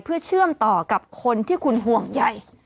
เพื่อเชื่อมต่อกับคนที่คุณห่วงใหญ่